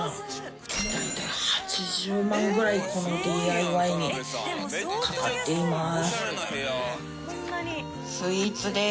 大体８０万ぐらいこのＤＩＹにかかっています。